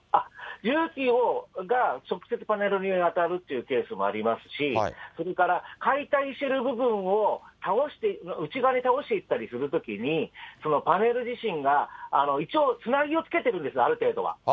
重機が直接、パネルに当たるっていうケースもありますし、それから解体してる部分を倒して、内側に倒していったりするときに、そのパネル自身が、一応、つなぎをつけてるんです、ある程度は。